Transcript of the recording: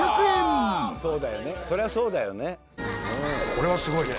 これはすごいね。